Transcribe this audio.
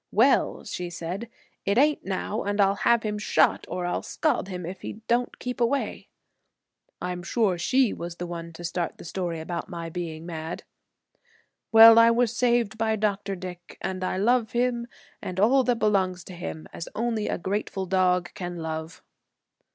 'Well,' she said, 'it ain't now, and I'll have him shot, or I'll scald him if he don't keep away.' "I am sure she was the one to start the story about my being mad. "Well, I was saved by Dr. Dick, and I love him and all that belongs to him as only a grateful dog can love."